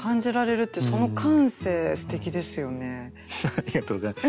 ありがとうございます。